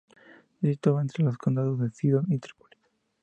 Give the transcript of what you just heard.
Se situaba entre los condados de Sidón y Trípoli.